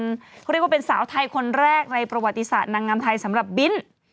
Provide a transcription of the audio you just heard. เขาเรียกว่าเป็นสาวไทยคนแรกในประวัติศาสตร์นางงามไทยสำหรับบิน